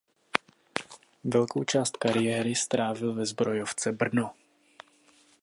Velkou část kariéry strávil ve Zbrojovce Brno.